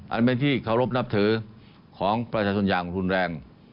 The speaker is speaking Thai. อันเป็นที่เคารพนับถือของประชาชนอย่างรุนแรง